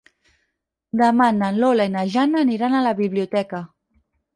Demà na Lola i na Jana aniran a la biblioteca.